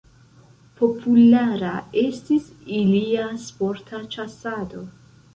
Populara estis ilia sporta ĉasado.